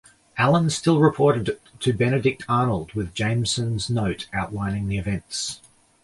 Allen still reported to Benedict Arnold with Jameson's note outlining the events.